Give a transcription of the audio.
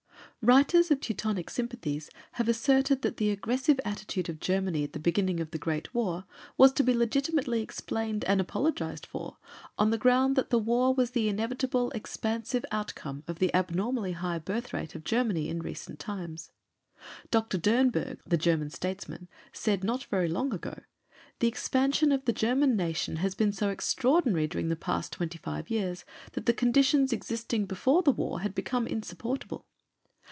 Writers of Teutonic sympathies have asserted that the aggressive attitude of Germany at the beginning of the Great War was to be legitimately explained and apologized for on the ground that the War was the inevitable expansive outcome of the abnormally high birth rate of Germany in recent times. Dr. Dernburg, the German statesman, said not very long ago: "The expansion of the German nation has been so extraordinary during the past twenty five years that the conditions existing before the war had become insupportable."